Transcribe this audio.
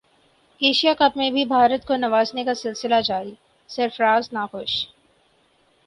Asia cup میں بھی بھارت کو نوازنے کا سلسلہ جاری سرفراز ناخوش